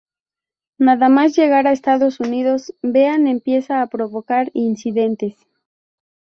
Nada más llegar a Estados Unidos, Bean empieza a provocar incidentes.